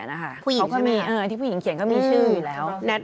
ที่ผู้หญิงเขียน